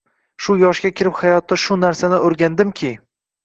Shu yoshga kirib hayotda shu narsani o’rgandimki